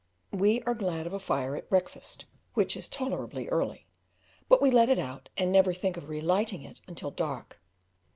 We are glad of a fire at breakfast, which is tolerably early, but we let it out and never think of relighting it until dark.